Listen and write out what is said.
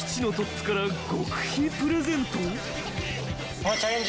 このチャレンジ